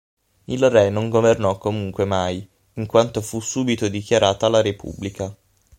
Il re non governò comunque mai, in quanto fu subito dichiarata la repubblica.